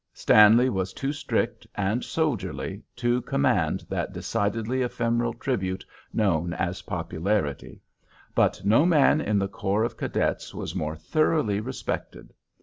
Stanley was too strict and soldierly to command that decidedly ephemeral tribute known as "popularity," but no man in the corps of cadets was more thoroughly respected.